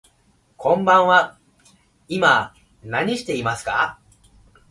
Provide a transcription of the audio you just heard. こんばんは、今何してますか。